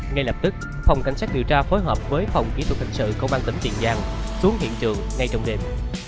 ngay lập tức phòng cảnh sát điều tra phối hợp với phòng kỹ thuật hình sự công an tỉnh tiền giang xuống hiện trường ngay trong đêm